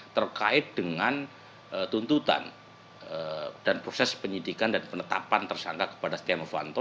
terkait dengan tuntutan dan proses penyidikan dan penetapan tersangka kepada setia novanto